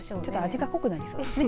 味が濃くなりそうですね。